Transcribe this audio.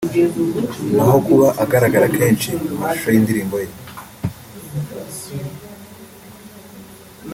naho kuba agaragara kenshi mu mashusho y’indirimbo ye